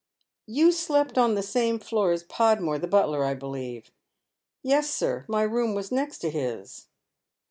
" You slept on the same floor as Podmore, the butler, I believe ?"" Yes, sir, my room was next to his."